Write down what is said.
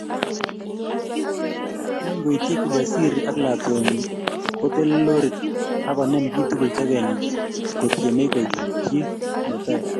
Kingoityi Kijasiri ak lakwenyi, kotelel lorit ak konem chitugul togenyi kotiemei koityi netai